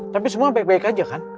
tapi semua baik baik aja kan